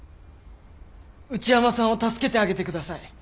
内山さんを助けてあげてください。